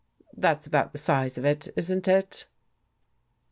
That's about the size of it, isn't i it?"